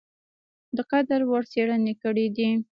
د قدر وړ څېړني کړي دي ۔